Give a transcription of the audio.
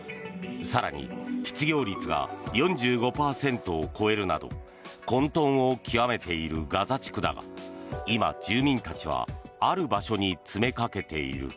更に失業率が４５％を超えるなど混とんを極めているガザ地区だが今、住民たちはある場所に詰めかけている。